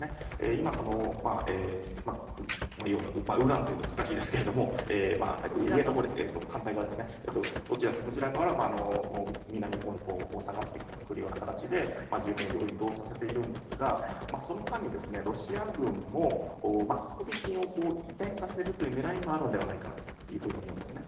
今、右岸というと難しいですがそちらから南のほうに下がってくるような形で住民を移動させているんですがその間にロシア軍も装備品を移転させるという狙いもあるのではないかと思うんですね。